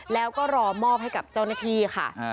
แล้วก็รอมอบให้กับเจ้าหน้าที่ค่ะ